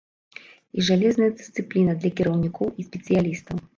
І жалезная дысцыпліна для кіраўнікоў і спецыялістаў!